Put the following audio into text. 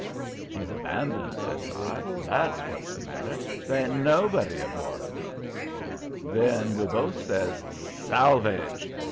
"'She's abandoned,' says I. 'That's what's the matter. There ain't NOBODY aboard of her.' "Then we both says, 'Salvage!'